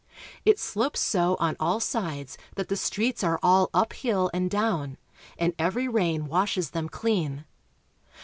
It slopes so on all sides that the streets are all up hill and down, and every rain washes them clean.